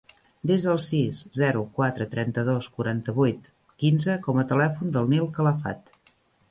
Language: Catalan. Desa el sis, zero, quatre, trenta-dos, quaranta-vuit, quinze com a telèfon del Nil Calafat.